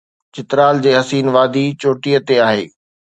چترال جي حسين وادي چوٽيءَ تي آهي.